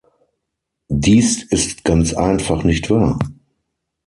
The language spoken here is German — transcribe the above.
Dies ist ganz einfach nicht wahr.